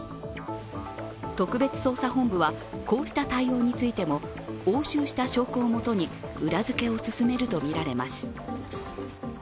特別捜査本部はこうした対応についても押収した証拠をもとに裏付けを進めるとみられます。